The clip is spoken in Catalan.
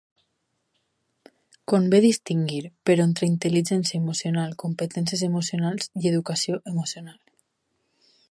Convé distingir, però, entre intel·ligència emocional, competències emocionals i educació emocional.